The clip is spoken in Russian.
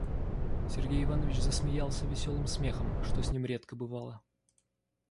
Сергей Иванович засмеялся веселым смехом, что с ним редко бывало.